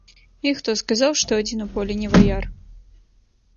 І хто сказаў, што адзін у полі не ваяр?